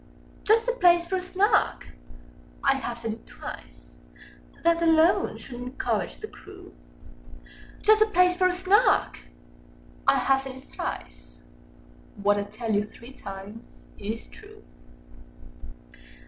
"Just the place for a Snark! I have said it twice: Â Â Â Â That alone should encourage the crew. Just the place for a Snark! I have said it thrice: Â Â Â Â What I tell you three times is true."